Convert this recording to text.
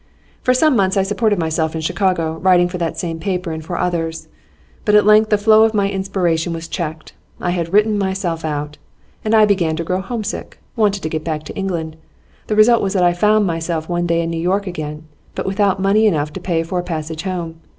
For some months I supported myself in Chicago, writing for that same paper, and for others. But at length the flow of my inspiration was checked; I had written myself out. And I began to grow home sick, wanted to get back to England. The result was that I found myself one day in New York again, but without money enough to pay for a passage home.